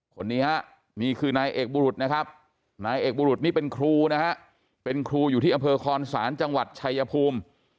คนนี้ฮะนี่คือนายเอกบุรุษนะครับนายเอกบุรุษนี่เป็นครูนะฮะเป็นครูอยู่ที่อำเภอคอนศาลจังหวัดชายภูมิ